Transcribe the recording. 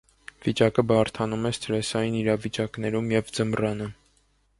Վիճակը բարդանում է սթրեսային իրավիճակներում և ձմռանը։